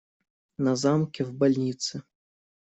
На замке, в больнице.